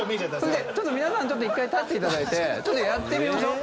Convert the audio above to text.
皆さん立っていただいてちょっとやってみましょう。